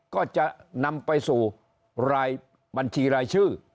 ก็จะนำไปสู่รายบัญชีรายชื่อ